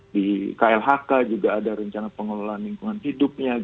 di klhk juga ada rencana pengelolaan lingkungan hidupnya